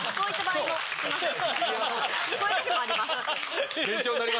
そういう時もあります。